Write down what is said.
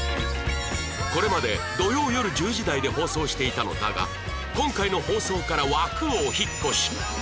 これまで土曜よる１０時台で放送していたのだが今回の放送から枠をお引っ越し